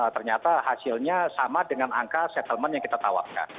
ternyata hasilnya sama dengan angka settlement yang kita tawarkan